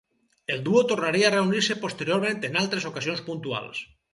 El duo tornaria a reunir-se posteriorment en altres ocasions puntuals.